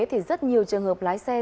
thì rất nhiều trường hợp lái xe